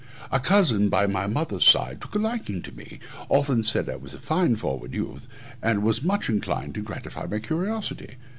A cousin, by my mother's side, took a liking to me, often said I was fine forward youth, and was much inclined to gratify my curiosity.